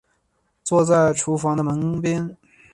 坐在厨房的门边